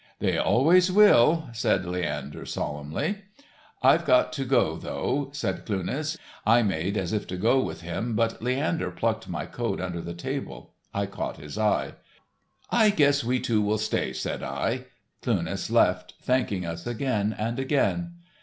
"They always will," said Leander solemnly. "I've got to go though," said Cluness. I made as if to go with him but Leander plucked my coat under the table. I caught his eye. "I guess we two will stay," said I. Cluness left, thanking us again and again.